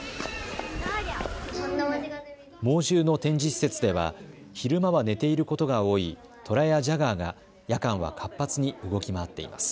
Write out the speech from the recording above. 猛獣の展示施設では昼間は寝ていることが多いトラやジャガーが夜間は活発に動き回っています。